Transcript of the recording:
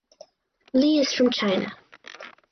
Li is from China.